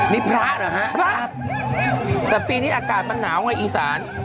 นี่พระเหรอฮะพระแต่ปีนี้อากาศมันหนาวไงอีสาน